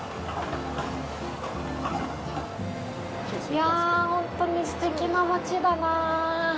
いや、ほんとにすてきな街だな。